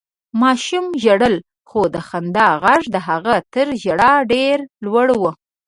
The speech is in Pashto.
ماشوم ژړل، خو د خندا غږ د هغه تر ژړا ډېر لوړ و.